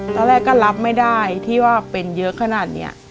ตอนแรกก็รับไม่ได้ที่ว่าเป็นเยอะขนาดนี้